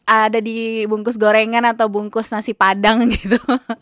ada di bungkus gorengan atau bungkus nasi padang gitu